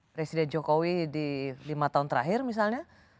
presiden jokowi di lima tahun terakhir misalnya